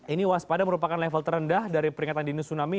ini waspada merupakan level terendah dari peringatan dini tsunami